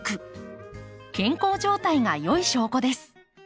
健康状態が良い証拠です。